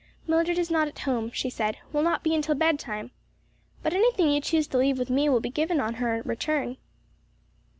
"Mildred is not at home," she said; "will not be until bedtime; but anything you choose to leave with me will be given her on her return."